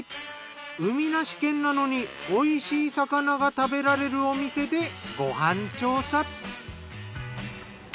海なし県なのに美味しい魚が食べられるお店でご飯調査。